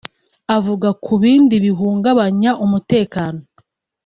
Avuga ku bindi bihungabanya umutekano